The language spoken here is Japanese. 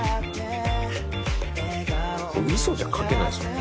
「嘘じゃ書けないですもん」